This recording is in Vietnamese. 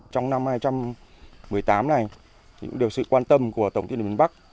trong năm hai nghìn một mươi tám này sự quan tâm của tổng thị điện lực miền bắc